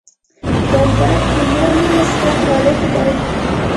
جانداد د نرمې موسکا خالق دی.